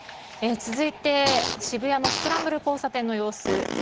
続いて、渋谷のスクランブル交差点の様子。